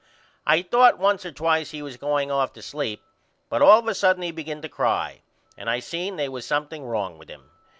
I thought once or twice he was going off to sleep but all of a sudden he begin to cry and I seen they was something wrong with him.